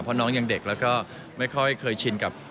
เพราะน้องยังเด็กแล้วก็ไม่ค่อยเคยชินกับ